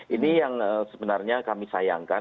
ini yang sebenarnya kami sayangkan